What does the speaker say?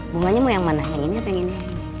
bunganya mau yang mana yang ini apa yang ini